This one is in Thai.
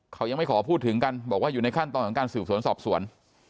เขายังไม่ขอพูดถึงกันบอกว่าอยู่ในขั้นตอนของการสืบสวนสอบสวน